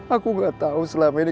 aku gak tau selama ini